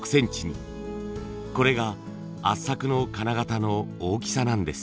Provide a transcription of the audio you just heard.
これが圧搾の金型の大きさなんです。